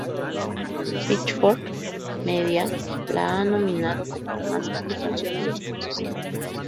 Pitchfork Media la ha nominado como la más grande canción de los años sesenta.